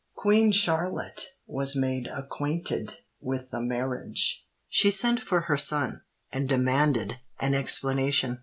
Queen Charlotte was made acquainted with the marriage: she sent for her son, and demanded an explanation.